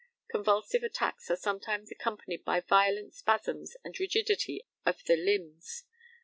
Convulsive attacks are sometimes accompanied by violent spasms and rigidity of the limbs.